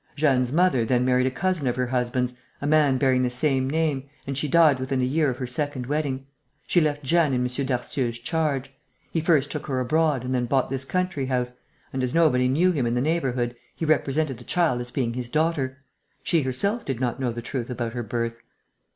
Jeanne's mother then married a cousin of her husband's, a man bearing the same name, and she died within a year of her second wedding. She left Jeanne in M. Darcieux's charge. He first took her abroad and then bought this country house; and, as nobody knew him in the neighbourhood, he represented the child as being his daughter. She herself did not know the truth about her birth."